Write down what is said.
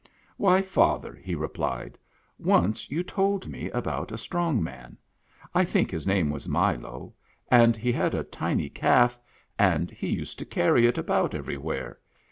" Why, father," he replied, " once you told me about a strong man, I think his name was Milo, and he had a tiny calf, and he used to carry it about every where.